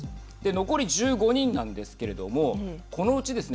残り１５人なんですけれどもこのうちですね